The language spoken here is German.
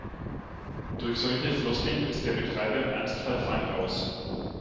Durch solche Floskeln ist der Betreiber im Ernstfall fein raus.